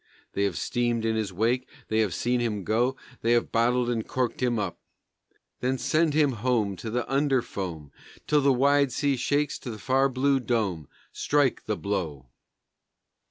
They have steamed in his wake, They have seen him go, They have bottled and corked him up; Then send him home to the under foam, Till the wide sea shakes to the far blue dome; Strike the blow!